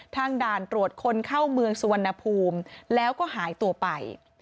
ด่านตรวจคนเข้าเมืองสุวรรณภูมิแล้วก็หายตัวไป